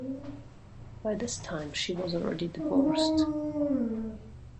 By this time she was already divorced.